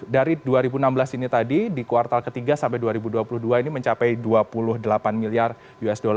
dari dua ribu enam belas ini tadi di kuartal ketiga sampai dua ribu dua puluh dua ini mencapai dua puluh delapan miliar usd